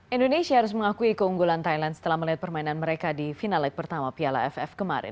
indonesia harus mengakui keunggulan thailand setelah melihat permainan mereka di final leg pertama piala ff kemarin